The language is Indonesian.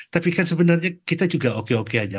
tapi kan sebenarnya kita juga oke oke aja